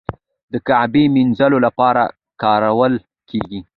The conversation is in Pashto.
د کعبې مینځلو لپاره کارول کیږي.